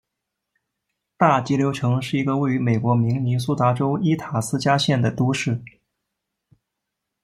大急流城是一个位于美国明尼苏达州伊塔斯加县的都市。